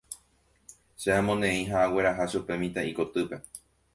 Che amoneĩ ha agueraha chupe mitã'i kotýpe.